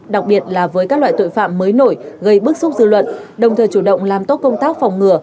đặc biệt là với các loại tội phạm mới nổi gây bức xúc dư luận đồng thời chủ động làm tốt công tác phòng ngừa